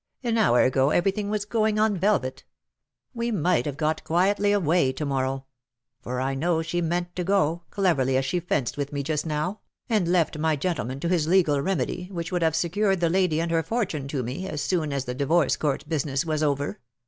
"An hour ago everything was going on velvet. We might have got quietly away to morrow — for I know she meant to go, cleverly as she fenced with me just now — and left my gentle man to his legal remedy, which would have secured the lady and her fortune to me, as soon as the Divorce Court business was over.